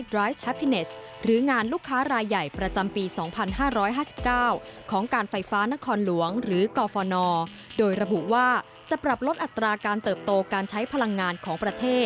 ติดตามจากรายงานค่ะ